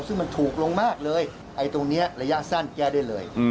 ซึ่งมันถูกลงมากเลยไอ้ตรงนี้ระยะสั้นแก้ได้เลย